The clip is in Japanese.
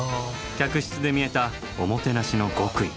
客室で見えたおもてなしの極意。